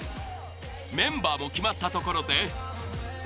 メンバーも決まったところで。